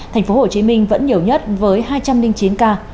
tp hcm vẫn nhiều nhất với hai trăm linh chín ca